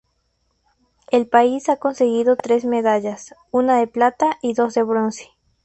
El país ha conseguido tres medallas, una de plata y dos de bronce.